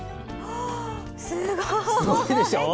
すごいでしょう。